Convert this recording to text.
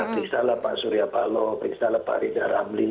fiksalah pak surya paloh fiksalah pak rida ramli